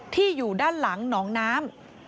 ที่อยู่ด้านหลังน้องน้ำ